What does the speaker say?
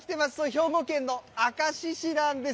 兵庫県の明石市なんです。